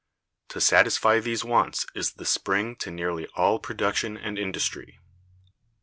To satisfy these wants is the spring to nearly all production and industry.